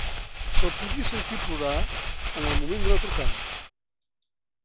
Se'l podia sentir plorar en el moment de la trucada.